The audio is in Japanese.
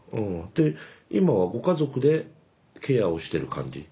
で今はご家族でケアをしてる感じ？